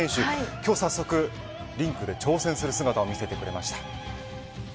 今日早速リンクで挑戦する姿を見せてくれました。